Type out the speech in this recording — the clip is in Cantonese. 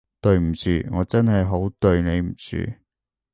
對唔住，我真係好對你唔住